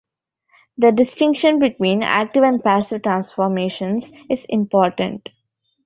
The distinction between active and passive transformations is important.